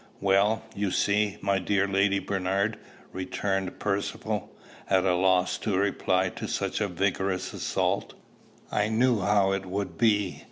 "Well, you see, my dear Lady Bernard," returned Percivale, at a loss to reply to such a vigorous assault, "I knew how it would be.